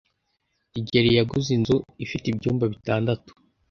kigeli yaguze inzu ifite ibyumba bitandatu.